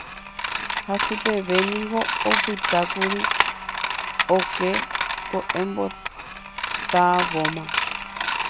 Hasy peve niko opytákuri oke ko'ẽmbotávoma.